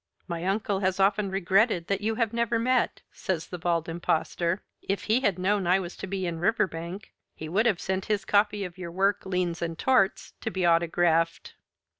"My uncle has often regretted that you have never met," says the Bald Impostor. "If he had known I was to be in Riverbank he would have sent his copy of your work, 'Liens and Torts,' to be autographed."